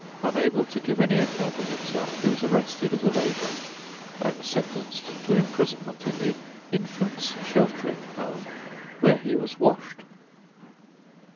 Unable to give any account of himself he was arrested as a vagrant and sentenced to imprisonment in the Infants' Sheltering Home where he was washed.